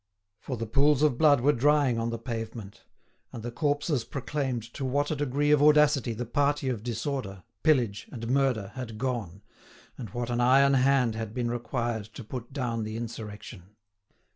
For the pools of blood were drying on the pavement, and the corpses proclaimed to what a degree of audacity the party of disorder, pillage, and murder had gone, and what an iron hand had been required to put down the insurrection.